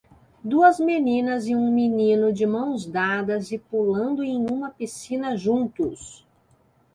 Duas meninas e um menino de mãos dadas e pulando em uma piscina juntos.